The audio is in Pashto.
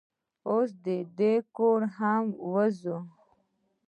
اوس دا دی له کوره هم وځي.